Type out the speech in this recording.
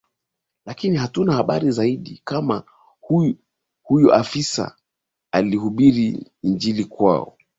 Lakini hatuna habari zaidi kama huyo afisa alihubiri Injili kwao